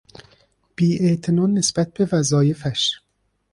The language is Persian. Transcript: بیاعتنا نسبت به وظایفش